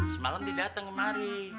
semalam didateng emari